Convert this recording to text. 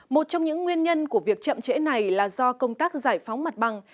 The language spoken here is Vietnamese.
một trong những nguyên nhân của việc chậm trễ này là do công tác giải phóng mặt bằng